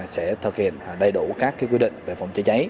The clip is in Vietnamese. sẽ thực hiện đầy đủ các quy định về phòng cháy cháy